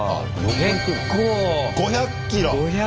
結構！５００キロ！